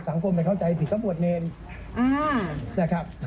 สังคมเป็นเข้าใจผิดเขาบวชเนร